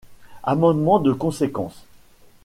Amendement de conséquence.